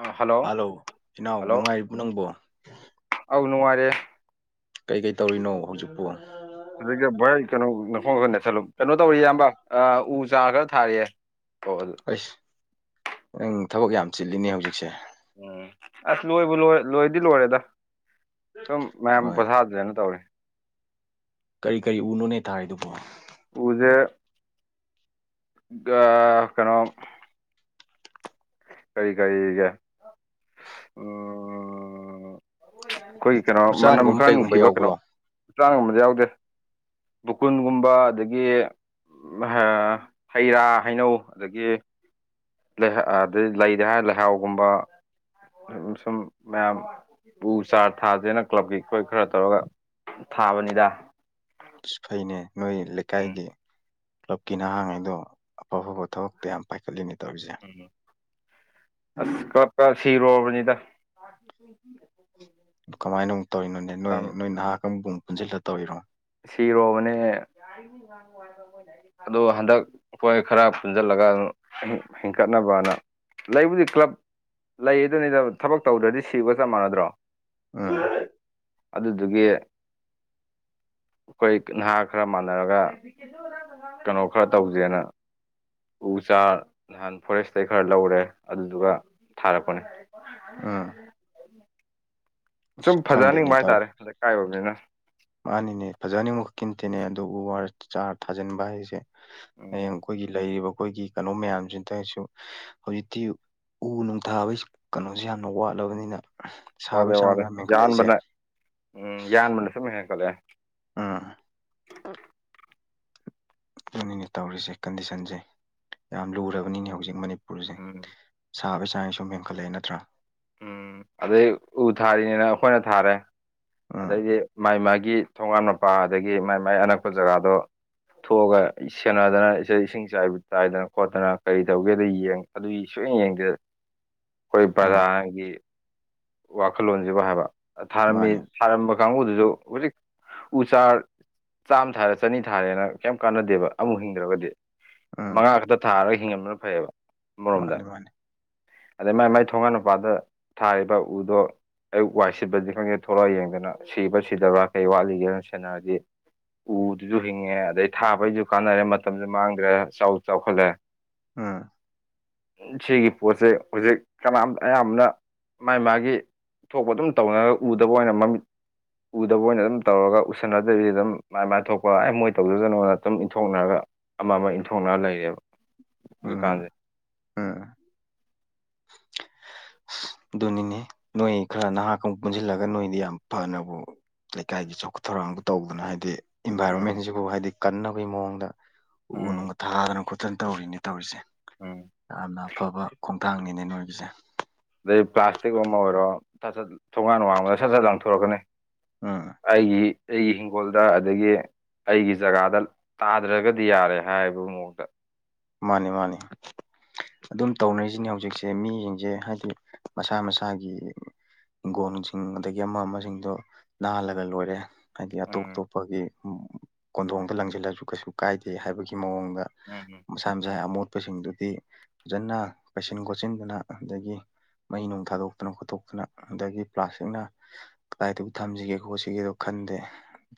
[unintelligible] hello ꯏꯅꯥꯎ hello ꯅꯨꯡꯉꯥꯏꯔꯤꯕꯣ ꯅꯪꯕꯣ ꯑꯧ ꯅꯨꯡꯉꯥꯢꯔꯤꯌꯦ ꯀꯩꯀꯩ ꯇꯧꯔꯤꯅꯣ ꯍꯧꯖꯤꯛꯄꯣ ꯑꯗꯒꯤ ꯚꯥꯢ ꯀꯩꯅꯣ ꯅꯈꯣꯡꯗꯣ ꯈ ꯅꯦꯠꯁꯟꯂꯣ ꯀꯩꯅꯣ ꯇꯧꯔꯤ ꯏꯌꯥꯝꯕ ꯑ ꯎ ꯆꯥꯔ ꯈꯔ ꯊꯥꯔꯤꯌꯦ ꯑꯣ ꯑꯗꯨ ꯑꯩꯁ ꯅꯪ ꯊꯕꯛ ꯌꯥꯝ ꯆꯤꯜꯂꯤꯅꯦ ꯍꯧꯖꯤꯛꯁꯦ ꯎꯝ ꯑꯁ ꯂꯣꯏꯕꯨ ꯂꯣꯏ ꯂꯣꯏꯗꯤ ꯂꯣꯏꯔꯦꯗ ꯁꯨꯝ ꯃꯌꯥꯝ ꯍꯣꯏ ꯄꯣꯊꯥꯖꯦꯅ ꯇꯧꯔꯤ ꯀꯔꯤ ꯀꯔꯤ ꯎꯅꯣꯅꯦ ꯊꯥꯔꯤꯗꯨꯕꯣ ꯎꯖꯦ ꯒꯥ ꯀꯩꯅꯣ ꯀꯔꯤ ꯀꯔꯤ ꯑꯒꯦ [unintelligible] ꯎꯝ [unintelligible] ꯑꯈꯣꯏꯒꯤ ꯀꯩꯅꯣ ꯃꯅꯝ ꯎꯆꯥꯟꯒꯨꯝꯕ ꯈꯔ ꯀꯩꯒꯨꯝꯕ ꯅꯨꯡꯁꯤꯕ ꯀꯩꯅꯣ ꯌꯥꯎꯕ꯭ꯔꯣ ꯎꯆꯥꯟꯒꯨꯝꯕꯗꯤ ꯌꯥꯎꯗꯦ ꯗꯨꯀꯨꯟꯒꯨꯝꯕ ꯑꯗꯒꯤ ꯑꯝꯍꯥ ꯍꯩ ꯔꯥ ꯍꯩꯅꯧ ꯑꯗꯒꯤ ꯂꯩꯍ ꯑꯥꯗꯩ ꯂꯩꯗ ꯍꯥꯏꯔ ꯂꯩꯍꯥꯎꯒꯨꯝꯕ ꯎꯝ ꯍꯨꯝ ꯁꯨꯝ ꯃꯌꯥꯝ ꯎ ꯆꯥꯔ ꯊꯥꯁꯦꯅ ꯀ꯭ꯂꯕꯀꯤ ꯑꯈꯣꯏ ꯈꯔ ꯇꯧꯔꯒ ꯊꯥꯕꯅꯤꯗ ꯑꯁ ꯐꯩꯅꯦ ꯅꯣꯏ ꯎꯝ ꯂꯩꯀꯥꯏꯗꯤ ꯀ꯭ꯂꯕꯀꯤ ꯅꯍꯥꯉꯩꯗꯣ ꯑꯐ ꯑꯐꯕ ꯊꯕꯛꯇ ꯌꯥꯝ ꯄꯥꯏꯈꯠꯂꯤꯅꯦ ꯇꯧꯔꯤꯁꯦ [unintelligible] ꯑꯁ ꯀ꯭ꯂꯕꯀ ꯁꯤꯔꯣꯕꯅꯤꯗ ꯀꯃꯥꯏꯅ ꯑꯃꯨꯛ ꯇꯧꯔꯤꯅꯣꯅꯦ ꯅꯣꯏ ꯅꯣꯏ ꯅꯍꯥ ꯀꯥꯡꯕꯨ ꯄꯨꯟꯖꯜꯂ ꯇꯧꯔꯤꯔꯣ ꯁꯤꯔꯣꯕꯅꯦ [unintelligible] [unintelligible] ꯑꯗꯨ ꯍꯟꯗꯛ ꯑꯈꯣꯏ ꯈꯔ ꯄꯨꯟꯖꯜꯂꯒ [unintelligible] ꯑꯃꯨꯛ ꯍꯤꯡꯀꯠꯅꯕꯅ ꯂꯩꯕꯨꯗꯤ ꯀ꯭ꯂꯕ ꯂꯩ ꯑꯗꯨꯅꯤꯗ ꯊꯕꯛ ꯇꯧꯗ꯭ꯔꯗꯤ ꯁꯤꯕꯒ ꯆꯞ ꯃꯥꯟꯅꯗ꯭ꯔꯣ ꯑꯥ [unintelligible] ꯑꯗꯨꯗꯨꯒꯤ ꯑꯈꯣꯏ ꯅꯍꯥ ꯈꯔ ꯃꯥꯟꯅꯔꯒ [unintelligible] [unintelligible] ꯀꯩꯅꯣ ꯈꯔ ꯇꯧꯖꯦꯅ ꯎ ꯆꯥꯔ ꯅꯍꯥꯟ ꯐꯣꯔꯦꯁꯇꯩ ꯈꯔ ꯂꯧꯔꯦ ꯑꯗꯨꯗꯨꯒ ꯊꯥꯔꯛꯄꯅꯦ ꯎꯝ ꯑꯁ ꯁꯨꯝ ꯈꯪꯗꯦꯅꯦ ꯐꯖꯍꯟꯅꯤꯡꯕ ꯇꯧꯔꯤ ꯍꯥꯏꯇꯥꯔꯦ ꯂꯩꯀꯥꯏ ꯑꯣꯏꯕꯅꯤꯅ ꯃꯥꯅꯤꯅꯦ ꯐꯖꯍꯟꯅꯤꯡꯕ ꯈꯛꯀꯤ ꯅꯠꯇꯦꯅꯦ ꯑꯗꯨ ꯎ ꯋꯥꯔ ꯆꯥꯔ ꯊꯥꯖꯤꯟꯕ ꯍꯥꯏꯁꯦ [unintelligible] ꯎꯝ ꯍꯌꯦꯡ ꯑꯈꯣꯏꯒꯤ ꯂꯩꯔꯤꯕ ꯑꯈꯣꯏꯒꯤ ꯀꯩꯅꯣ ꯃꯌꯥꯝꯖꯤꯗꯁꯨ ꯍꯧꯖꯤꯛꯇꯤ ꯎ ꯅꯨꯡ ꯊꯥꯕꯩ ꯁꯛ ꯀꯩꯅꯣꯖꯤ ꯌꯥꯝꯅ ꯋꯥꯠꯂꯕꯅꯤꯅ ꯋꯥꯠꯂꯦ ꯁꯥꯕꯒꯤ ꯆꯥꯡꯁꯨ ꯋꯥꯠꯂꯦ ꯌꯥꯝ ꯍꯦꯟꯒꯠꯂꯛꯏꯁꯦ ꯌꯥꯟꯕꯅ ꯎꯝ ꯌꯥꯟꯕꯅ ꯁꯨꯝ ꯍꯦꯟꯒꯠꯂꯛꯑꯦ ꯎꯝ [unintelligible] ꯑꯗꯨꯅꯤꯅꯦ ꯇꯧꯔꯤꯁꯦ ꯀꯟꯗꯤꯁꯟꯁꯦ ꯌꯥꯝ ꯂꯨꯔꯕꯅꯤꯅꯦ ꯍꯧꯖꯤꯛ ꯃꯅꯤꯄꯨꯔꯖꯦ ꯎꯝ ꯁꯥꯕꯩꯥꯥ ꯆꯥꯡ ꯁꯨꯝ ꯍꯦꯟꯒꯠꯂꯛꯑꯦ ꯅꯠꯇ꯭ꯔꯥ ꯎꯝ ꯑꯗꯩ ꯎ ꯊꯥꯔꯤꯅꯤꯅ ꯑꯈꯣꯏꯅ ꯊꯥꯔꯦ ꯎꯝ ꯑꯗꯩꯗꯤ ꯃꯥꯏ ꯃꯥꯒꯤ ꯊꯣꯡꯒꯥꯜ ꯃꯄꯥ ꯑꯗꯒꯤ ꯃꯥꯏ ꯃꯥꯏ ꯑꯅꯛꯄ ꯖꯒꯥꯗꯣ ꯊꯣꯛꯑꯒ ꯏ ꯁꯦꯟꯅꯗꯅ ꯏꯁꯦ ꯏꯁꯤꯡ ꯆꯥꯏꯕꯨ ꯆꯥꯏꯗꯅ ꯈꯣꯠꯇꯅ ꯀꯔꯤ ꯇꯧꯒꯦꯗꯣ ꯌꯦꯡ ꯑꯗꯨꯏ ꯁꯨꯛꯌꯦꯡ ꯌꯦꯡꯗꯦ [inaudible] ꯑꯈꯣꯏ ꯎꯝ ꯕꯔꯥꯒꯤ ꯋꯥꯈꯜꯂꯣꯟꯖꯤꯕꯨ ꯍꯥꯏꯕ ꯊꯥꯔꯝꯃꯤ ꯃꯥꯅꯦ ꯊꯥꯔꯝꯕ ꯀꯥꯡꯕꯨꯗꯨꯖꯨ ꯍꯧꯖꯤꯛ ꯎ ꯆꯥꯔ ꯆꯥꯝꯃ ꯊꯥꯔꯦ ꯆꯅꯤ ꯊꯥꯔꯦꯅ ꯀꯌꯝ ꯀꯥꯟꯅꯗꯦꯕ ꯑꯃꯐꯥꯎ ꯍꯤꯡꯗ꯭ꯔꯒꯗꯤ ꯎꯝ ꯃꯉꯥ ꯈꯛꯇ ꯊꯥꯔꯒ ꯍꯤꯡꯍꯟꯗꯕꯅ ꯐꯩꯌꯦꯕ ꯑꯃꯔꯣꯝꯗ ꯃꯥꯅꯦ ꯃꯥꯅꯦ ꯑꯗꯩ ꯃꯥꯏ ꯃꯥꯏ ꯊꯣꯡꯉꯥꯟ ꯃꯨꯄꯥꯗ ꯊꯥꯔꯤꯕ ꯎꯗꯣ ꯑꯌꯨꯛ ꯋꯥꯏ ꯁꯤꯠꯄꯗꯅꯤ ꯈꯪꯗꯦ ꯊꯂꯛꯑ ꯌꯦꯡꯗꯅ ꯁꯤꯕ ꯁꯤꯗꯕ꯭ꯔꯥ ꯀꯩ ꯋꯥꯠꯂꯤꯒꯦꯅ ꯁꯦꯟꯅꯔꯗꯤ ꯎꯗꯨꯖꯨ ꯍꯤꯡꯉꯦ ꯑꯗꯩ ꯊꯥꯕꯩꯁꯨ ꯀꯥꯟꯅꯔꯦ ꯃꯇꯝꯁꯨ ꯃꯥꯡꯗ꯭ꯔꯦ ꯆꯥꯎꯁꯨ ꯆꯥꯎꯈꯠꯂꯦ ꯎꯝ ꯁꯤꯒꯤ ꯄꯣꯠꯁꯦ ꯍꯧꯖꯤꯛ ꯀꯅꯥꯝ ꯑꯌꯥꯝꯕꯅ ꯃꯥꯥꯏ ꯃꯥꯒꯤ ꯊꯣꯛꯄ ꯑꯗꯨꯝ ꯇꯧꯅꯔꯒ ꯎꯗꯕ ꯑꯣꯏꯅ ꯃꯃꯤꯠ ꯎꯗꯕ ꯑꯣꯏꯅ ꯑꯗꯨꯝ ꯇꯧꯔꯒ ꯎꯁꯟꯅꯗꯕꯤꯗ ꯑꯗꯨꯝ ꯃꯥꯏ ꯃꯥꯏ ꯊꯣꯛꯄ ꯑꯩ ꯃꯣꯏ ꯇꯧꯖꯁꯅꯨꯅ ꯑꯗꯨꯝ ꯏꯟꯊꯣꯛꯅꯔꯒ ꯑꯃ ꯑꯃ ꯏꯟꯊꯣꯛꯅꯔ ꯂꯩꯔꯦꯕ ꯎꯝ ꯍꯧꯖꯤꯛꯀꯥꯟꯖꯦ ꯎꯝ ꯑꯗꯨꯅꯤꯅꯦ ꯅꯣꯏ ꯈꯔ ꯅꯍꯥ ꯀꯪꯨꯛ ꯄꯨꯟꯁꯤꯜꯂꯒ ꯅꯣꯏꯗꯤ ꯌꯥꯝ ꯐꯅꯕꯨ ꯂꯩꯀꯥꯏꯒꯤ ꯆꯥꯎꯈꯠ ꯊꯧꯔꯥꯡꯗꯨ ꯇꯧꯗꯅ ꯍꯥꯏꯗꯤ ꯎꯝ ꯏꯟꯚꯥꯏꯔꯣꯟꯃꯦꯟꯖꯤꯕꯨ ꯍꯥꯏꯗꯤ ꯀꯟꯅꯕꯒꯤ ꯃꯑꯣꯡꯗ ꯎ ꯎꯝ ꯅꯨꯡꯒ ꯊꯥꯗꯅ ꯈꯣꯠꯇꯅ ꯇꯧꯔꯤꯅꯤ ꯇꯧꯔꯤꯁꯦ ꯎꯝ ꯌꯥꯝꯅ ꯑꯐꯕ ꯈꯣꯡꯊꯥꯡꯅꯤꯅꯦ ꯅꯣꯏꯒꯤꯖꯦ ꯑꯗꯩ ꯄ꯭ꯂꯥꯁꯇꯤꯛ ꯑꯃ ꯑꯣꯏꯔꯣ ꯁꯠ ꯁꯠ ꯊꯣꯡꯒꯥꯟ ꯋꯥꯡꯃꯗ ꯁꯠ ꯁꯠ ꯂꯡꯊꯣꯔꯛꯀꯅꯤ ꯑꯥ ꯑꯩꯒꯤ ꯑꯩꯒꯤ ꯍꯤꯡꯈꯣꯜꯗ ꯑꯗꯒꯤ ꯑꯩꯒꯤ ꯖꯒꯥꯗ ꯇꯥꯗ꯭ꯔꯒꯗꯤ ꯌꯥꯔꯦ ꯍꯥꯏꯕ ꯃꯑꯣꯡꯗ ꯃꯥꯟꯅꯦ ꯃꯥꯟꯅꯦ ꯑꯗꯨꯝ ꯇꯧꯅꯔꯤꯖꯤꯅꯦ ꯍꯧꯖꯤꯛꯁꯦ ꯃꯤꯁꯤꯡꯖꯦ ꯍꯥꯏꯗꯤ ꯃꯁꯥ ꯃꯁꯥꯒꯤ ꯍꯤꯡꯒꯣꯜꯅꯨꯡꯁꯤꯡ ꯑꯗꯒꯤ ꯑꯃ ꯑꯃꯁꯤꯡꯗꯣ ꯅꯥꯂꯒ ꯂꯣꯏꯔꯦ ꯍꯥꯏꯗꯤ ꯑꯇꯣꯞ ꯎꯝ ꯑꯇꯣꯞꯄꯒꯤ ꯀꯣꯟꯊꯣꯡꯗ ꯂꯪꯁꯤꯜꯂꯁꯨ ꯀꯩꯁꯨ ꯀꯥꯏꯗꯦ ꯍꯥꯏꯕꯒꯤ ꯃꯑꯣꯡꯗ ꯎꯝ ꯎꯝ ꯃꯁꯥ ꯃꯁꯥꯒꯤ ꯑꯃꯣꯠꯄꯁꯤꯡꯗꯨꯗꯤ ꯐꯖꯅ ꯄꯩꯁꯤꯟ ꯈꯣꯠꯆꯤꯟꯗꯅ ꯑꯗꯒꯤ ꯃꯩ ꯅꯨꯡ ꯊꯥꯗꯣꯛꯇꯅ ꯈꯣꯠꯇꯣꯛꯇꯅ ꯑꯗꯒꯤ ꯄ꯭ꯂꯥꯁꯇꯤꯛꯅ ꯀꯗꯥꯏꯗꯕꯨ ꯊꯝꯁꯤꯒꯦ ꯈꯣꯠꯁꯤꯒꯦꯗꯣ ꯈꯟꯗꯦ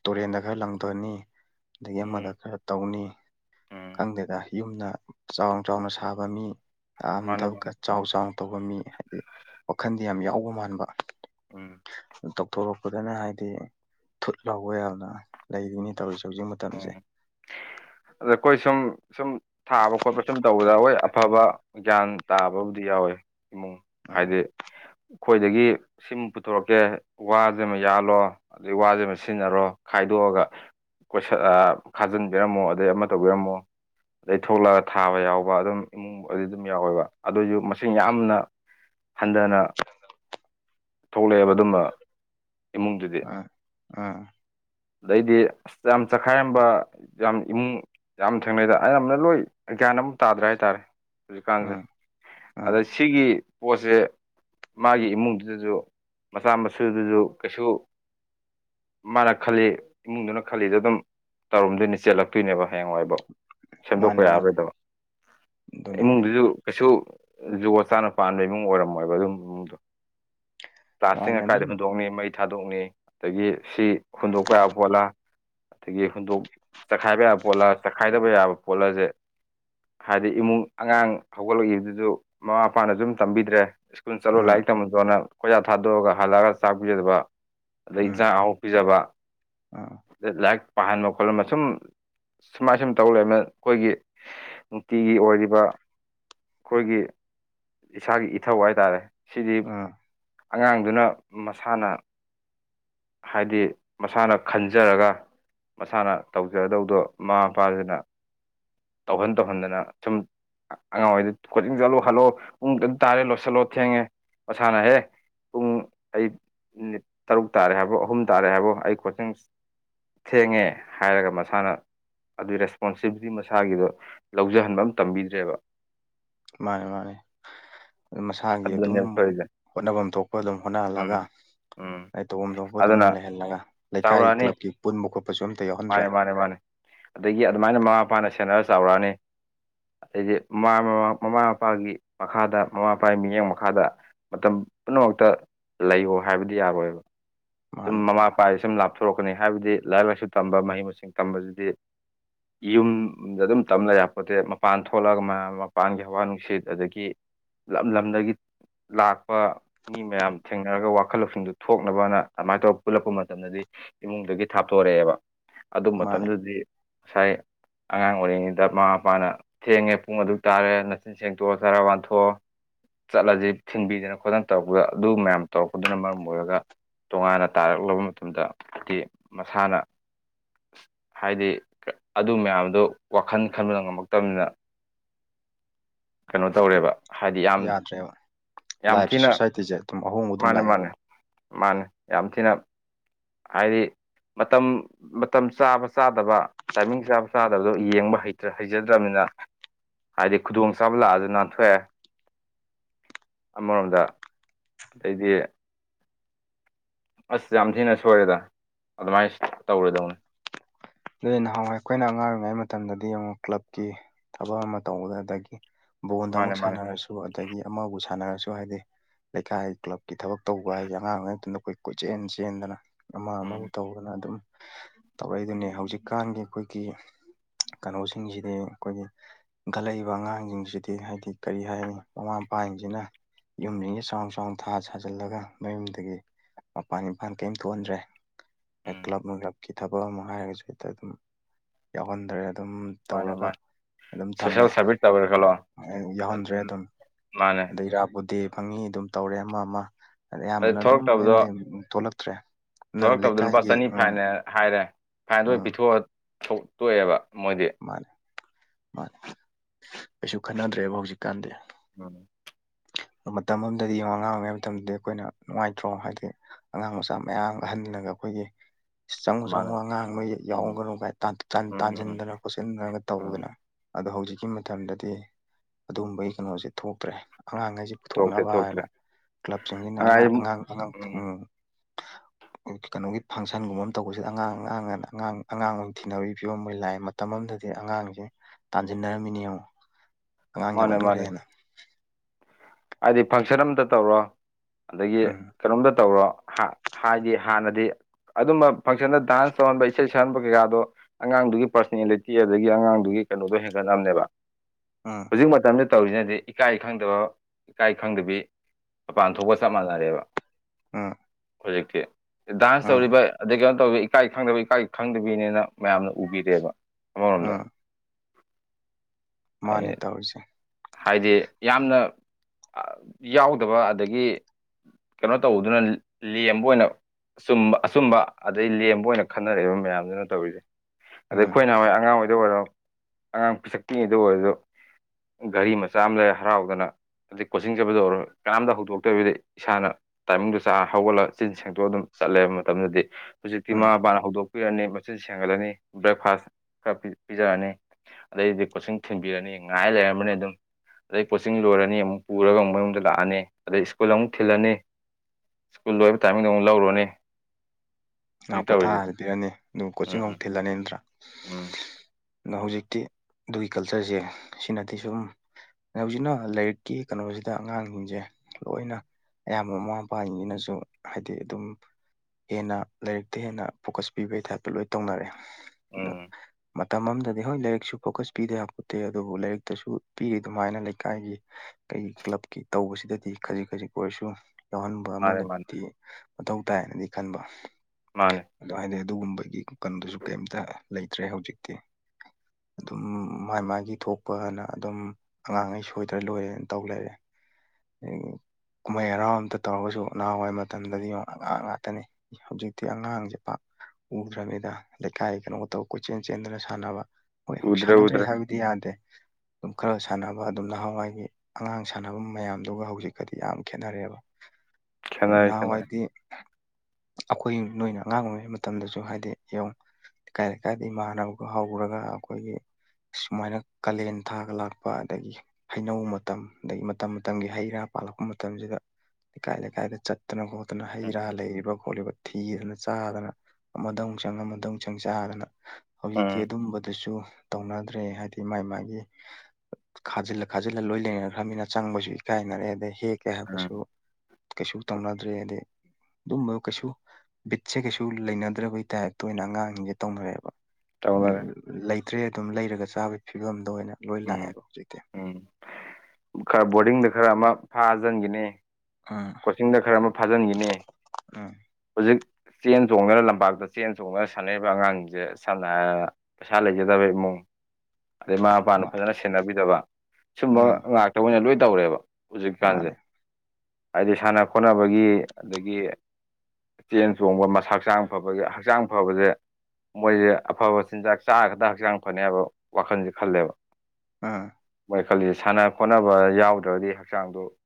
ꯇꯨꯔꯦꯟꯗ ꯈꯔ ꯂꯪꯊꯅꯤ ꯑꯗꯒꯤ ꯑꯃꯗ ꯎꯝ ꯈꯔ ꯇꯧꯅꯤ ꯎꯝ ꯈꯪꯗꯦꯗ ꯌꯨꯝꯅ ꯆꯥꯎꯅ ꯆꯥꯎꯅ ꯁꯥꯕ ꯃꯤ ꯌꯥꯝꯅ ꯃꯥꯅꯤ ꯊꯕꯛꯀ ꯃꯥꯅꯤ ꯆꯥꯎ ꯆꯥꯎꯅ ꯇꯧꯕ ꯃꯤ ꯍꯥꯏꯗꯤ ꯋꯥꯈꯟꯗꯤ ꯌꯥꯝ ꯌꯥꯎꯕ ꯃꯥꯟꯕ ꯎꯝ ꯇꯧꯊꯣꯔꯛꯄꯗꯅ ꯍꯥꯏꯗꯤ ꯊꯨꯠ ꯂꯥꯎꯕ ꯌꯥꯝꯅ ꯂꯩꯔꯤꯅꯤ ꯇꯧꯔꯤꯁꯦ ꯍꯧꯖꯤꯛ ꯃꯇꯝꯁꯦ ꯎꯝ ꯑꯗꯨ ꯈꯣꯏ ꯁꯨꯝ ꯁꯨꯝ ꯊꯥꯕ ꯈꯣꯠꯄ ꯁꯨꯝ ꯇꯧꯕꯗ ꯑꯐꯕ ꯒ꯭ꯌꯥꯟ ꯇꯥꯕꯕꯨꯗꯤ ꯌꯥꯎꯋꯦ ꯏꯃꯨꯡ ꯎꯝ ꯍꯥꯏꯗꯤ ꯑꯩꯈꯣꯏꯗꯒꯤ ꯁꯤꯝ ꯄꯨꯊꯣꯔꯛꯀꯦ ꯋꯥꯖꯤꯃ ꯌꯥꯜꯂꯣ ꯑꯗꯩ ꯋꯥꯖꯤꯃ ꯁꯤꯖꯤꯟꯅꯔꯣ ꯈꯥꯏꯗꯣꯛꯑꯒ ꯀꯣꯏꯁꯟ ꯑ ꯈꯥꯖꯟꯕꯤꯔꯝꯃꯣ ꯑꯗꯩ ꯑꯃ ꯇꯧꯕꯤꯔꯝꯃꯣ ꯑꯗꯩ ꯊꯣꯛꯂꯒ ꯊꯥꯕ ꯌꯥꯎꯕ ꯑꯗꯨꯝ ꯏꯃꯨꯡ ꯑꯗꯨ ꯑꯗꯨꯝ ꯌꯥꯎꯋꯦꯕ ꯑꯗꯨꯑꯣꯏꯖꯨ ꯃꯁꯤꯡ ꯌꯥꯝꯅ ꯍꯟꯙꯅ ꯊꯣꯛꯂꯛꯑꯦꯕ ꯑꯗꯨꯝꯕ ꯏꯃꯨꯡꯗꯨꯗꯤ ꯎꯝ ꯎꯝ ꯑꯗꯩꯗꯤ ꯑꯁ ꯌꯥꯝ ꯆꯈꯥꯏꯔꯝꯕ ꯌꯥꯝ ꯏꯃꯨꯡ ꯌꯥꯝ ꯊꯦꯡꯅꯩꯗ ꯑꯌꯥꯝꯕꯅ ꯂꯣꯏ ꯒ꯭ꯌꯥꯟ ꯑꯃ ꯇꯥꯗ꯭ꯔꯦ ꯍꯥꯏꯇꯥꯔꯦ ꯍꯧꯖꯤꯛꯀꯥꯟꯖꯦ ꯎꯝ ꯎꯝ ꯑꯗꯥ ꯁꯤꯒꯤ ꯄꯣꯠꯁꯦ ꯃꯥꯒꯤ ꯏꯃꯨꯡꯗꯨꯗꯖꯨ ꯃꯆꯥ ꯃꯁꯨꯗꯨꯖꯨ ꯀꯩꯁꯨ ꯃꯥꯅ ꯈꯜꯂꯤ ꯏꯃꯨꯡꯗꯨꯅ ꯈꯜꯂꯤꯗꯣ ꯑꯗꯨꯝ ꯇꯧꯔꯝꯗꯣꯏꯅꯤ ꯆꯦꯜꯂꯛꯇꯣꯏꯅꯦꯕ ꯍꯌꯦꯡꯋꯥꯏꯕꯥꯎ ꯁꯦꯝꯗꯣꯛꯄ ꯃꯥꯅꯦ ꯃꯥꯅꯦ ꯌꯥꯔꯔꯣꯏꯗꯕ ꯑꯗꯨꯅꯦ ꯏꯃꯨꯡꯗꯨꯖꯨ ꯀꯩꯁꯨꯛ ꯖꯨꯒꯣꯠ ꯆꯥꯅ ꯄꯥꯟꯕ ꯏꯃꯨꯡ ꯑꯣꯏꯔꯝꯃꯣꯏꯕ ꯑꯗꯨꯝꯕ ꯏꯃꯨꯡꯗꯣ ꯃꯥꯅꯦ ꯄ꯭ꯂꯥꯁꯇꯤꯡꯅ ꯀꯥꯏꯗ ꯑꯗꯨꯝ ꯍꯨꯟꯗꯣꯛꯅꯤ ꯃꯩ ꯊꯥꯗꯣꯛꯅꯤ ꯑꯗꯒꯤ ꯁꯤ ꯍꯨꯟꯗꯣꯛꯄ ꯌꯥꯕ ꯄꯣꯠꯂꯥ ꯑꯗꯒꯤ ꯍꯨꯟꯗꯣꯛ ꯆꯈꯥꯏꯕ ꯌꯥꯕ ꯄꯣꯠꯂ ꯆꯥꯛꯈꯥꯏꯗꯕ ꯌꯥꯕ ꯄꯣꯠꯂꯖꯦ ꯍꯥꯏꯗꯤ ꯏꯃꯨꯡ ꯑꯉꯥꯡ ꯍꯧꯒꯠꯂꯛꯏꯕꯗꯨꯖꯨ ꯃꯃꯥ ꯃꯄꯥꯅꯖꯨ ꯗꯨꯝ ꯇꯝꯕꯤꯗ꯭ꯔꯦ ꯁ꯭ꯀꯨꯜ ꯆꯠꯂꯣ ꯎꯝ ꯂꯥꯏꯔꯤꯛ ꯇꯝꯃꯨꯁꯣꯅ ꯈꯣꯏꯊꯥ ꯊꯥꯗꯣꯛꯑꯥꯒ ꯍꯜꯂꯛꯑꯥꯒ ꯆꯥꯛ ꯄꯤꯖꯗꯕ ꯑꯗꯩ ꯎꯝ ꯏꯟꯁꯥꯡ ꯑꯍꯥꯎ ꯄꯤꯖꯕ ꯎꯝ ꯑꯗꯩ ꯂꯥꯏꯔꯤꯛ ꯄꯥꯍꯟꯕ ꯈꯣꯠꯍꯟꯕ ꯁꯨꯝ ꯁꯨꯃꯥꯏ ꯁꯨꯝ ꯇꯧ ꯂꯩꯔꯕꯅꯤꯅ ꯑꯩꯈꯣꯏꯒꯤ ꯅꯨꯡꯇꯤꯒꯤ ꯑꯣꯏꯔꯤꯕ ꯈꯣꯏꯒꯤ ꯏꯁꯥꯒꯤ ꯏꯊꯧ ꯍꯥꯏꯇꯥꯔꯦ ꯁꯤꯗꯤ ꯑꯥ ꯑꯉꯥꯡꯗꯨꯅ ꯃꯁꯥꯅ ꯍꯥꯏꯗꯤ ꯃꯁꯥꯅ ꯈꯟꯖꯔꯒ ꯃꯁꯥꯅ ꯇꯧꯖꯔꯗꯧꯗꯣ ꯃꯃꯥ ꯃꯄꯥꯖꯤꯅ ꯇꯧꯍꯟ ꯇꯧꯍꯟꯗꯅ ꯁꯨꯝ ꯑꯉꯥꯡꯑꯣꯏꯗ ꯀꯣꯆꯤꯡ ꯆꯠꯂꯣ ꯍꯜꯂꯛꯑꯣ ꯄꯨꯡ ꯑꯗꯨ ꯇꯥꯔꯦ ꯂꯣꯢꯁꯜꯂꯣ ꯊꯦꯡꯉꯦ ꯃꯁꯥꯅ ꯑꯦ ꯄꯨꯡ ꯑꯩꯠ ꯅꯤꯠ ꯇꯥꯔꯦ ꯍꯥꯏꯕꯕꯨ ꯑꯍꯨꯝ ꯇꯥꯔꯦ ꯍꯥꯏꯕꯨ ꯑꯩ ꯀꯣꯆꯤꯡ ꯊꯦꯡꯉꯦ ꯍꯥꯏꯔꯒ ꯃꯁꯥꯅ ꯑꯗꯨꯢ ꯔꯦꯁꯄꯣꯟꯁꯤꯕꯤꯂꯤꯇꯤ ꯃꯁꯥꯒꯤꯗꯣ ꯂꯧꯖꯍꯟꯕ ꯑꯃ ꯇꯝꯕꯤꯗ꯭ꯔꯦꯕ ꯃꯥꯅꯦ ꯃꯥꯅꯦ ꯃꯁꯥꯒꯤ ꯑꯗꯨꯝ ꯑꯗꯨꯅꯦꯕ ꯁꯣꯏꯔꯤꯁꯦ ꯍꯣꯠꯅꯐꯝ ꯊꯣꯛꯄ ꯑꯗꯨꯝ ꯍꯣꯠꯅꯍꯜꯂꯒ ꯎꯝ ꯎꯝ ꯍꯥ ꯇꯧꯕꯝ ꯊꯣꯛꯄ ꯑꯗꯨꯝ ꯑꯗꯨꯅ ꯂꯩꯍꯜꯂꯒ ꯂꯩꯀꯥꯏꯒꯤ ꯆꯥꯎꯔꯛꯑꯅꯤ ꯀ꯭ꯂꯕꯀꯤ ꯄꯨꯟꯕ ꯈꯣꯠꯄꯁꯨ ꯑꯝꯇ ꯌꯥꯎꯍꯟꯗ꯭ꯔꯦ ꯃꯥꯅꯦ ꯃꯥꯅꯦ ꯃꯥꯅꯦ ꯑꯗꯒꯤ ꯑꯗꯨꯃꯥꯏꯅ ꯃꯃꯥ ꯃꯄꯥꯅ ꯁꯦꯟꯅꯔ ꯆꯥꯎꯔꯛꯑꯅꯤ ꯑꯗꯩꯗꯤ ꯃꯃꯥ ꯃꯃꯥ ꯃꯃꯥ ꯃꯄꯥꯒꯤ ꯃꯈꯥꯗ ꯃꯃꯥ ꯃꯄꯥꯒꯤ ꯃꯤꯠꯌꯦꯡ ꯃꯈꯥꯗ ꯃꯇꯝ ꯄꯨꯝꯅꯃꯛꯇ ꯂꯩꯌꯣ ꯍꯥꯏꯕꯗꯤ ꯌꯥꯔꯣꯏꯕ ꯁꯨꯝ ꯃꯥꯅꯦ ꯃꯃꯥ ꯃꯄꯥꯗꯩ ꯁꯨꯝ ꯂꯥꯞꯊꯣꯔꯛꯀꯅꯤ ꯍꯥꯏꯕꯗꯤ ꯂꯥꯏꯔꯤꯛ ꯂꯥꯏꯁꯨ ꯇꯝꯕ ꯃꯍꯩ ꯃꯁꯤꯡ ꯇꯝꯕꯖꯤꯗꯤ ꯌꯨꯝꯗ ꯑꯗꯨꯝ ꯇꯝ ꯂꯩ ꯌꯥꯄꯣꯠꯇꯦ ꯃꯄꯥꯟ ꯊꯣꯛꯂꯛꯑꯥꯒ ꯃꯌꯥꯝ ꯃꯄꯥꯟꯒꯤ ꯍꯋꯥ ꯅꯨꯡꯁꯤꯠ ꯑꯗꯒꯤ ꯂꯝ ꯂꯝꯗꯒꯤ ꯂꯥꯛꯄ ꯃꯤ ꯃꯌꯥꯝ ꯊꯦꯡꯅꯔꯒ ꯋꯥꯈꯜ ꯂꯧꯁꯤꯡꯗꯨ ꯊꯣꯛꯅꯕꯅ ꯑꯗꯨꯃꯥꯏꯅ ꯇꯧꯔ ꯄꯨꯜꯂꯛꯄ ꯃꯇꯝꯗꯗꯤ ꯏꯃꯨꯡꯗꯒꯤ ꯊꯥꯞꯇꯣꯔꯛꯑꯦꯕ ꯑꯗꯨ ꯃꯥꯅꯦ ꯃꯇꯝꯗꯨꯗꯤ ꯉꯁꯥꯏ ꯑꯉꯥꯡ ꯑꯣꯏꯔꯤꯉꯩꯗ ꯃꯃꯥ ꯃꯄꯥꯅ ꯊꯦꯡꯉꯦ ꯄꯨꯡ ꯑꯗꯨꯛ ꯇꯥꯔꯦ ꯅꯆꯤꯟ ꯁꯦꯡꯇꯣꯛꯑꯣ ꯆꯔꯥ ꯋꯥꯟꯊꯣꯛꯑꯣ ꯆꯠꯂꯖꯤ ꯊꯤꯟꯕꯤꯗꯅ ꯈꯣꯠꯇꯅ ꯇꯧꯔꯛꯄꯗ ꯑꯗꯨ ꯃꯌꯥꯝ ꯇꯧꯔꯛꯄꯗꯨꯅ ꯃꯔꯝ ꯑꯣꯏꯔꯒ ꯇꯣꯉꯥꯟꯅ ꯇꯥꯔꯛꯂꯕ ꯃꯇꯝꯗ ꯗꯤ ꯃꯁꯥꯅ ꯍꯥꯏꯗꯤ ꯑꯗꯨ ꯃꯌꯥꯝꯗꯣ ꯋꯥꯈꯜ ꯈꯟꯕꯗ ꯉꯝꯃꯛꯇꯕꯅꯤꯅ ꯀꯩꯅꯣ ꯇꯧꯔꯦꯕ ꯍꯥꯏꯗꯤ ꯌꯥꯝ ꯌꯥꯗ꯭ꯔꯦꯕ ꯌꯥꯝ ꯂꯥꯏꯐꯁꯦ ꯊꯤꯅ ꯁꯣꯁꯥꯏꯇꯤꯁꯦ ꯑꯗꯨꯝ ꯑꯍꯣꯡꯕ ꯑꯗꯨꯝ ꯃꯥꯅꯦ ꯂꯥꯛꯑꯦꯕ ꯃꯥꯅꯦ ꯃꯥꯅꯦ ꯌꯥꯝ ꯊꯤꯅ ꯍꯥꯏꯗꯤ ꯃꯇꯝ ꯃꯇꯝ ꯆꯥꯕ ꯆꯥꯗꯕ ꯇꯥꯏꯃꯤꯡ ꯆꯥꯕ ꯆꯥꯗꯕꯗꯣ ꯌꯦꯡꯕ ꯍꯩꯇ꯭ꯔ ꯍꯩꯖꯗ꯭ꯔꯥꯕꯅꯤꯅ ꯍꯥꯏꯗꯤ ꯈꯨꯗꯣꯡ ꯆꯥꯕ ꯂꯥꯛꯑꯥꯁꯨ ꯅꯥꯟꯊꯣꯛꯑꯦ ꯑꯃꯔꯣꯝꯗ ꯑꯗꯩꯗꯤ ꯑꯁ ꯌꯥꯝ ꯊꯤꯅ ꯁꯣꯏꯔꯦꯗ ꯑꯗꯨꯃꯥꯏꯅ ꯇꯧꯔꯣꯢꯗꯧꯅꯤ ꯑꯗꯨꯅꯤ ꯅꯍꯥꯟꯋꯥꯢ ꯑꯩꯈꯣꯏꯅ ꯑꯉꯥꯡ ꯑꯣꯏꯔꯤꯉꯩ ꯃꯇꯝꯗꯗꯤ ꯌꯦꯡꯉꯨ ꯀ꯭ꯂꯕꯀꯤ ꯊꯕꯛ ꯑꯃ ꯇꯧꯕꯗ ꯑꯗꯒꯤ ꯕꯣꯟꯗ ꯑꯃꯨꯛ ꯃꯥꯅꯦ ꯃꯥꯅꯦ ꯁꯥꯟꯅꯔꯁꯨ ꯑꯗꯒꯤ ꯑꯃꯕꯨ ꯁꯥꯟꯅꯔꯁꯨ ꯍꯥꯏꯗꯤ ꯂꯩꯀꯥꯏ ꯀ꯭ꯂꯕꯀꯤ ꯊꯕꯛ ꯇꯧꯕ ꯍꯥꯏꯖꯤ ꯑꯉꯥꯡ ꯑꯣꯏ ꯃꯇꯝꯗ ꯑꯀꫭꯏ ꯀꯣꯏꯆꯦꯟ ꯆꯦꯟꯗꯅ ꯑꯃ ꯑꯃꯕꯨ ꯎꯝ ꯇꯧꯗꯅ ꯑꯗꯨꯝ ꯇꯧꯔꯛꯏꯗꯨꯅꯤ ꯍꯧꯖꯤꯛꯀꯥꯟꯒꯤ ꯑꯈꯣꯏꯒꯤ ꯀꯅꯣꯖꯤꯡꯖꯤꯗꯤ ꯑꯈꯣꯏꯒꯤ ꯏꯪꯈꯠꯂꯛꯏꯕ ꯑꯉꯥꯡꯖꯤꯡꯁꯤꯗꯤ ꯍꯥꯏꯗꯤ ꯀꯔꯤ ꯍꯥꯏꯅꯤ ꯃꯃꯥ ꯃꯄꯥꯖꯤꯡꯖꯤꯅ ꯌꯨꯝꯖꯤꯡꯖꯦ ꯆꯥꯎ ꯆꯥꯎꯅ ꯊꯥ ꯁꯥꯖꯤꯜꯂꯒ ꯃꯌꯨꯝꯗꯒꯤ ꯃꯄꯥꯟ ꯏꯄꯥꯟ ꯀꯩꯝ ꯊꯣꯛꯍꯟꯗ꯭ꯔꯦ ꯎꯝ ꯀ꯭ꯂꯕ ꯅꯨꯡꯂꯞꯀꯤ ꯊꯕꯛ ꯑꯃ ꯍꯥꯏꯔꯨꯔꯁꯨ ꯍꯦꯛꯇ ꯑꯗꯨꯝ ꯌꯥꯎꯍꯟꯗ꯭ꯔꯦ ꯑꯗꯨꯝ ꯃꯥꯅꯦ ꯇꯧꯔꯒ ꯃꯥꯅꯦ ꯑꯗꯨꯝ ꯊꯝꯃꯦ ꯁꯣꯁꯦꯜ ꯁꯥꯔꯚꯤꯁ ꯇꯧꯔꯦ ꯈꯜꯂꯣ ꯌꯥꯎꯍꯟꯗ꯭ꯔꯦ ꯑꯗꯨꯝ ꯃꯥꯅꯦ ꯑꯗꯩ ꯏꯔꯥꯕꯣꯠ ꯗꯦ ꯐꯪꯉꯤ ꯑꯗꯨꯝ ꯇꯧꯔꯦ ꯑꯃ ꯑꯃ ꯑꯗꯩ ꯑꯗꯨ ꯑꯌꯥꯝꯕꯅ ꯑꯗꯨꯝ ꯊꯣꯛꯂꯛꯇꯕꯗꯣ ꯃꯌꯨꯝꯗꯩ ꯊꯣꯛꯂꯛꯇ꯭ꯔꯦ ꯅꯪ ꯊꯣꯛꯂꯛꯇꯕꯗꯣ ꯂꯨꯄꯥ ꯂꯩꯀꯥꯏꯒꯤ ꯆꯅꯤ ꯎꯝ ꯐꯥꯏꯟꯅꯦ ꯍꯥꯏꯔꯦ ꯐꯥꯏꯟꯗꯨ ꯑꯣꯏ ꯎꯝ ꯄꯤꯊꯣꯛꯑ ꯊꯣꯛꯇꯣꯛꯑꯦꯕ ꯃꯣꯏꯗꯤ ꯃꯥꯅꯦ ꯃꯥꯅꯦ ꯀꯩꯁꯨ ꯈꯟꯅꯗ꯭ꯔꯦꯕ ꯍꯧꯖꯤꯛꯀꯥꯟꯗꯤ ꯎꯝ ꯃꯇꯝ ꯑꯝꯗꯗꯤ ꯌꯦꯡꯉꫭ ꯑꯉꯥꯡ ꯑꯣꯏꯔꯤꯉꯩ ꯃꯇꯝꯗꯗꯤ ꯑꯩꯈꯣꯏꯅ ꯅꯨꯡꯉꯥꯏꯇ꯭ꯔꯣ ꯍꯥꯏꯗꯤ ꯑꯉꯥꯡ ꯃꯆꯥ ꯃꯌꯥꯝ ꯑꯍꯟꯅꯒ ꯑꯈꯣꯏꯒꯤ ꯆꯪꯉꯨ ꯃꯥꯅꯦ ꯆꯪꯉꯨ ꯑꯉꯥꯡ ꯅꯣꯏ ꯎꯝ ꯌꯥꯎꯒꯅꯨ ꯀꯥꯏ ꯇꯥꯟ ꯎꯝ ꯎꯝ ꯇꯥꯟꯖꯟꯗꯅ ꯈꯣꯠꯆꯤꯟꯗꯅꯒ ꯎꯝ ꯇꯧꯗꯅ ꯑꯗꯣ ꯍꯧꯖꯤꯛꯀꯤ ꯃꯇꯝꯗꯗꯤ ꯑꯗꯨꯒꯨꯝꯕꯩ ꯀꯩꯅꯣꯖꯦ ꯊꯣꯛꯇ꯭ꯔꯦ ꯑꯉꯥꯡꯒꯩꯖꯤ ꯊꯣꯛꯇ꯭ꯔꯦ ꯄꯨꯊꯣꯛꯅꯕ ꯊꯣꯛꯇ꯭ꯔꯦ ꯍꯥꯏꯅ ꯀ꯭ꯂꯕꯁꯤꯡꯁꯤꯅ ꯑꯉꯥꯡ ꯑꯉꯥꯡ ꯎꯝ [unintelligible] ꯀꯩꯅꯣꯒꯤ ꯐꯪꯁꯟꯒꯨꯝꯕ ꯑꯝ ꯇꯧꯕꯖꯤꯗ ꯑꯉꯥꯡ ꯑꯉꯥꯡ ꯑꯅ ꯑꯉꯥꯡ ꯑꯉꯥꯡ ꯑꯣꯏ ꯊꯤꯅꯕꯩ ꯐꯤꯕꯝ ꯑꯣꯏ ꯂꯥꯛꯑꯦ ꯃꯇꯝ ꯑꯝꯗꯗꯤ ꯑꯉꯥꯡꯖꯦ ꯇꯥꯟꯖꯟꯅꯔꯝꯃꯤꯅꯤ ꯌꯦꯡꯉꫭ ꯑꯉꯥꯡ ꯃꯥꯅꯦ ꯃꯥꯅꯦ ꯌꯥꯝꯃꯟꯒ꯭ꯔꯦꯅ ꯍꯥꯏꯗꯤ ꯐꯪꯁꯟ ꯑꯝꯇ ꯇꯧꯔꯣ ꯑꯗꯒꯤ ꯎꯝ ꯀꯩꯅꯣꯝꯇ ꯇꯧꯔꯣ ꯍꯥ ꯍꯥꯏꯗꯤ ꯍꯥꯟꯅꯗꯤ ꯑꯗꯨꯝꯕ ꯐꯪꯁꯟꯗ ꯗꯥꯟꯁ ꯇꯧꯍꯟꯕ ꯏꯁꯩ ꯁꯛꯍꯟꯕ ꯀꯩꯀꯥꯗꯣ ꯑꯉꯥꯡꯗꯨꯒꯤ ꯄꯥꯔꯁꫭꯅꯦꯜꯂꯤꯇꯤ ꯑꯗꯒꯤ ꯑꯉꯥꯡꯗꯨꯒꯤ ꯀꯩꯅꯣꯗꯣ ꯍꯦꯡꯒꯠꯅꯝꯅꯦꯕ ꯑ ꯍꯨꯖꯤꯛ ꯃꯇꯝꯗ ꯇꯧꯔꯤꯖꯤꯅꯗꯤ ꯏꯀꯥꯏ ꯈꯪꯗꯕ ꯏꯀꯥꯏ ꯈꯪꯗꯕꯤ ꯃꯄꯥꯟ ꯊꯣꯛꯄ ꯆꯞ ꯃꯥꯟꯅꯔꯦꯕ ꯑ ꯍꯨꯖꯤꯛꯇꯤ ꯗꯥꯟꯁ ꯇꯧꯔꯤꯕ ꯑꯗꯩ ꯀꯩꯅꯣ ꯇꯧꯋꯤ ꯏꯀꯥꯏ ꯈꯪꯗꯕ ꯏꯀꯥꯏ ꯈꯪꯗꯕꯤꯅꯦꯅ ꯃꯌꯥꯝꯅ ꯎꯕꯤꯔꯦꯕ ꯑꯃꯔꯣꯝꯗ ꯎꯝ ꯃꯥꯅꯦ ꯇꯧꯔꯤꯁꯦ ꯍꯥꯏꯗꯤ ꯌꯥꯝꯅ ꯌꯥꯎꯗꯕ ꯑꯗꯒꯤ ꯀꯩꯅꯣ ꯇꯧꯕꯗꯨꯅ ꯂꯦꯝꯕ ꯑꯣꯏꯅ ꯆꯨꯝꯕ ꯑꯆꯨꯝꯕ ꯑꯗꯩ ꯂꯦꯝꯕ ꯑꯣꯏꯅ ꯈꯟꯅꯔꯦꯕ ꯃꯌꯥꯝꯗꯨꯅ ꯇꯧꯔꯤꯁꯤ ꯑꯗꯩ ꯎꯝ ꯈꯣꯏ ꯅꯍꯥꯟꯋꯥꯏ ꯑꯉꯥꯡ ꯑꯣꯏꯔꯤꯉꯩꯗ ꯑꯣꯏꯔꯣ ꯑꯉꯥꯡ ꯄꯤꯁꯛꯄꯤꯉꯩꯗ ꯑꯣꯏꯔꯖꯨ ꯒꯔꯤ ꯃꯆꯥ ꯑꯃ ꯂꯩ ꯍꯔꯥꯎꯗꯅ ꯑꯗꯩ ꯀꯣꯆꯤꯡ ꯆꯠꯄꯗ ꯑꯣꯏꯔꯣ ꯀꯅꯥꯝꯇ ꯍꯧꯗꯣꯛꯇꯕꯤꯗ ꯏꯁꯥꯅ ꯇꯥꯏꯃꯤꯡꯗꯣ ꯆꯥꯔ ꯍꯧꯒꯠꯂꯒ ꯆꯤꯟ ꯁꯦꯡꯇꯣꯛꯑ ꯑꯗꯨꯝ ꯆꯠꯂꯦꯕ ꯃꯇꯝꯗꯨꯗꯗꯤ ꯍꯧꯖꯤꯛꯇꯤ ꯎꯝ ꯃꯃꯥ ꯃꯄꯥꯅ ꯍꯧꯗꯣꯛ ꯄꯤꯔꯅꯤ ꯃꯆꯤꯟ ꯁꯦꯡꯍꯜꯂꯅꯤ ꯕ꯭ꯔꯦꯛꯐꯥꯁ ꯈꯔ ꯄꯤꯖꯔꯅꯤ ꯑꯗꯩꯗꯤ ꯀꯣꯆꯤꯡ ꯊꯤꯟꯕꯤꯔꯅꯤ ꯉꯥꯏ ꯂꯩꯔꯝꯃꯅꯤ ꯑꯗꯨꯝ ꯑꯗꯩ ꯀꯣꯆꯤꯡ ꯂꯣꯏꯔꯅꯤ ꯑꯃꯨꯛ ꯄꯨꯔꯒ ꯑꯃꯨꯛ ꯃꯌꯨꯝꯗ ꯂꯥꯛꯑꯅꯤ ꯑꯗꯩ ꯁ꯭ꯀꯨꯜ ꯑꯃꯨꯛ ꯊꯤꯜꯂꯅꯤ ꯁ꯭ꯀꯨꯜ ꯂꯣꯏꯕ ꯇꯥꯏꯃꯤꯡꯗ ꯑꯃꯨꯛ ꯂꯧꯔꯨꯔꯅꯤ ꯉꯥꯛ ꯍꯧꯖꯤꯛ ꯇꯧꯔꯤꯁꯦ ꯄꯣꯊꯥꯍꯟꯕꯤꯔꯅꯤ ꯑꯗꯨ ꯀꯣꯆꯤꯡ ꯑꯃꯨꯛ ꯎꯝ ꯊꯤꯜꯂꯅꯤ ꯅꯠꯇ꯭ꯔ ꯎꯝ ꯑꯗꯣ ꯍꯧꯖꯤꯛꯇꯤ ꯑꯗꯨꯏ ꯀꯜꯆꯔꯁꯦ ꯁꯤꯅꯗꯤ ꯁꯨꯝ ꯍꯧꯖꯤꯛꯅ ꯂꯥꯏꯔꯤꯛꯀꯤ ꯀꯩꯅꯣꯖꯤꯗ ꯑꯉꯥꯡꯁꯤꯡꯖꯦ ꯂꯣꯏꯅ ꯑꯌꯥꯝꯕ ꯃꯃꯥ ꯃꯄꯥꯁꯤꯡꯁꯤꯅꯁꯨ ꯍꯥꯏꯗꯤ ꯑꯗꯨꯝ ꯍꯦꯟꯅ ꯂꯥꯏꯔꯤꯛꯇ ꯍꯦꯟꯅ ꯐꯣꯀꯁ ꯄꯤꯕꯩ ꯇꯥꯏꯞꯇ ꯂꯣꯏ ꯇꯧꯅꯔꯦ ꯑꯗ ꯎꯝ ꯃꯇꯝ ꯑꯃꯗꯗꯤ ꯍꯣꯏ ꯂꯥꯏꯔꯤꯛꯁꯨ ꯐꯣꯀꯁ ꯄꯤꯗꯕꯌꯥꯄꯣꯠꯇꯦ ꯑꯗꯨꯕꯨ ꯂꯥꯏꯔꯤꯛꯇꯁꯨ ꯄꯤꯔꯤ ꯑꯗꯨꯃꯥꯏꯅ ꯂꯩꯀꯥꯏꯒꯤ ꯀꯩ ꯀ꯭ꯂꯕꯀꯤ ꯇꯧꯕꯁꯤꯗꯗꯤ ꯈꯖꯤꯛ ꯈꯖꯤꯛ ꯑꯣꯏꯔꯁꯨ ꯌꯥꯎꯍꯟꯕ ꯃꯥꯅꯦ ꯃꯥꯅꯦ ꯑꯃꯅꯗꯤ ꯃꯊꯧ ꯇꯥꯏꯑꯅꯗꯤ ꯈꯟꯕ ꯃꯥꯅꯦ ꯑꯗꯨꯍꯥꯏꯗꯤ ꯑꯗꯨꯒꯨꯝꯕꯒꯤ ꯀꯟꯕꯖꯨ ꯀꯔꯤꯝꯇ ꯂꯩꯇ꯭ꯔꯦ ꯍꯧꯖꯤꯛꯇꯤ ꯑꯗꯨꯝ ꯃꯥꯏ ꯃꯥꯥꯏꯒꯤ ꯊꯣꯛꯄꯅ ꯑꯗꯨꯝ ꯑꯉꯥꯡꯉꯩ ꯁꯣꯏꯗ꯭ꯔ ꯂꯣꯏꯔꯦꯅ ꯇꯧ ꯂꯩꯔꯦ ꯑ ꯀꯨꯝꯍꯩ ꯍꯔꯥꯎ ꯑꯃꯝꯇ ꯇꯧꯔꯒꯁꯨ ꯅꯍꯥꯟꯋꯥꯏ ꯃꯇꯝꯗꯗꯤ ꯉꯉꯥꯡ ꯉꯥꯛꯇꯅꯤ ꯍꯧꯖꯤꯛꯇꯤ ꯑꯉꯥꯡꯁꯦ ꯄꯥꯛ ꯎꯗ꯭ꯔꯃꯤꯗ ꯂꯩꯀꯥꯏ ꯀꯩꯅꯣ ꯇꯧ ꯀꯣꯏꯆꯦꯟ ꯆꯦꯟꯗꯅ ꯁꯥꯟꯅꯕ ꯍꯣꯏ ꯍꯧꯖꯤ ꯎꯗ꯭ꯔꯦ ꯁꯥꯟꯅꯗ꯭ꯔꯦ ꯎꯗ꯭ꯔꯦ ꯍꯥꯏꯕꯗꯤ ꯌꯥꯗꯦ ꯑꯗꯨꯝ ꯈꯔ ꯁꯥꯟꯅꯕ ꯑꯗꯨꯝ ꯅꯍꯥꯟꯋꯥꯏꯒꯤ ꯑꯉꯥꯡ ꯁꯥꯟꯅꯕ ꯃꯌꯥꯝꯗꯨꯒ ꯍꯧꯖꯤꯛꯀꯗꯤ ꯌꯥꯝ ꯈꯦꯠꯅꯔꯦꯕ ꯈꯦꯠꯅꯔꯦ ꯈꯦꯠꯅꯔꯦ ꯅꯍꯥꯟꯋꯥꯏꯗꯤ ꯑꯩꯈꯣꯏ ꯅꯣꯏꯅ ꯑꯉꯥꯡ ꯑꯣꯏꯔꯤꯉꯩ ꯃꯇꯝꯗꯁꯨ ꯍꯥꯏꯗꯤ ꯌꯦꯡꯉꯨ ꯂꯩꯀꯥꯏ ꯂꯩꯀꯥꯏꯗꯒꯤ ꯏꯃꯥꯟꯅꯕꯒ ꯍꯧꯔꯒ ꯑꯩꯈꯣꯏꯒꯤ ꯁꯨꯃꯥꯏꯅ ꯀꯥꯂꯦꯟ ꯊꯥꯒ ꯂꯥꯛꯄ ꯑꯗꯒꯤ ꯍꯩꯅꯧ ꯃꯇꯝ ꯑꯗꯒꯤ ꯃꯇꯝ ꯃꯇꯝꯒꯤ ꯍꯩ ꯔꯥ ꯄꯥꯜꯂꯛꯄ ꯃꯇꯝꯁꯤꯗ ꯂꯩꯀꯥꯏ ꯂꯩꯀꯥꯏꯗ ꯆꯠꯇꯅ ꯈꯣꯠꯇꯅ ꯍꯩ ꯔꯥ ꯎꯝ ꯂꯩꯔꯤꯕ ꯈꯣꯠꯂꯤꯕ ꯊꯤꯗꯅ ꯆꯥꯗꯅ ꯑꯃꯗ ꯑꯃꯨꯛ ꯆꯪ ꯑꯃꯗ ꯑꯃꯨꯛ ꯆꯪ ꯆꯥꯗꯅ ꯍꯧꯖꯤꯛꯇꯤ ꯎꯝ ꯑꯗꯨꯝꯕꯗꯨꯁꯨ ꯇꯧꯅꯗ꯭ꯔꯦ ꯍꯥꯏꯗꯤ ꯃꯥꯥꯏ ꯃꯥꯏꯒꯤ ꯈꯥꯖꯤꯜꯂ ꯈꯥꯖꯤꯜꯂ ꯂꯣꯏ ꯂꯩꯅꯈ꯭ꯔꯃꯤꯅ ꯆꯪꯕꯁꯨ ꯏꯀꯥꯏꯅꯔꯦ ꯑꯗꯩ ꯍꯦꯛ ꯀꯩ ꯍꯥꯏꯕꯁꯨ ꯎꯝ ꯀꯩꯁꯨ ꯇꯧꯅꯗ꯭ꯔꯦ ꯑꯗꯩ ꯑꯗꯨꯝꯕ ꯀꯩꯁꯨ ꯕꯤꯠꯁꯦ ꯀꯩꯁꯨ ꯂꯩꯅꯗ꯭ꯔꯕꯒꯤ ꯇꯥꯏꯞꯇ ꯑꯣꯏꯅ ꯑꯉꯥꯡꯁꯤꯡꯁꯦ ꯇꯧꯅꯔꯦꯕ ꯇꯧꯅꯔꯦ ꯂꯩꯇ꯭ꯔꯦ ꯑꯗꯨꯝ ꯂꯩꯔꯒ ꯆꯥꯕꯒꯤ ꯐꯤꯕꯝꯗ ꯑꯣꯏꯅ ꯂꯣꯏ ꯎꯝ ꯂꯥꯛꯑꯦꯕ ꯍꯧꯖꯤꯛꯇꯤ ꯎꯝ ꯈꯔ ꯕꯣꯔꯗꯤꯡꯗ ꯈꯔ ꯑꯃ ꯐꯥꯖꯟꯒꯤꯅꯤ ꯑꯥ ꯀꯣꯆꯤꯡꯗ ꯈꯔ ꯑꯃ ꯐꯥꯖꯤꯟꯈꯤꯅꯤ ꯍꯧꯖꯤꯛ ꯆꯦꯟ ꯆꯣꯡꯗꯅ ꯂꯝꯄꯥꯛꯇ ꯆꯦꯟ ꯆꯣꯡꯗꯅ ꯁꯥꯟꯅꯔꯤꯕ ꯑꯉꯥꯡꯁꯤꯡꯖꯦ ꯁꯝꯅ ꯍꯥꯏ ꯄꯩꯁꯥ ꯂꯩꯖꯗꯕ ꯏꯃꯨꯡ ꯑꯗꯩ ꯃꯃꯥ ꯃꯄꯥꯅ ꯐꯖꯅ ꯁꯦꯟꯅꯕꯤꯗꯕ ꯁꯨꯝꯕ ꯎꯝ ꯉꯥꯛꯇ ꯑꯣꯏꯅ ꯂꯣꯏ ꯇꯧꯔꯦꯕ ꯍꯧꯖꯤꯛꯀꯥꯟꯖꯦ ꯃꯥꯅꯦ ꯍꯥꯏꯗꯤ ꯁꯥꯟꯅ ꯈꯣꯠꯅꯕꯒꯤ ꯑꯗꯒꯤ ꯆꯦꯟ ꯆꯣꯡꯕ ꯃꯁꯥ ꯍꯛꯆꯥꯡ ꯐꯕꯒꯤ ꯍꯛꯆꯥꯡ ꯐꯕꯖꯦ ꯃꯣꯏꯖꯦ ꯑꯐꯕ ꯆꯤꯟꯖꯥꯛ ꯆꯥꯔ ꯈꯛꯇ ꯍꯛꯆꯥꯡ ꯐꯅꯤ ꯍꯥꯏꯕ ꯋꯥꯈꯜꯖꯦ ꯈꯜꯂꯦꯕ ꯑꯥ ꯃꯣꯏ ꯈꯜꯂꯤꯖꯦ ꯁꯥꯟꯅ ꯈꯣꯠꯅꯕ ꯌꯥꯎꯗ꯭ꯔꯒꯗꯤ ꯍꯛꯆꯥꯡꯗꯣ